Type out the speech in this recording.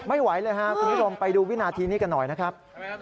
ไม่ไหวเลยครับคุณผู้ชมไปดูวินาทีนี้กันหน่อยนะครับ